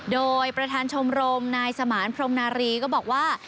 โดยประธานชมรมนายสมานพรมนารีก็บอกว่า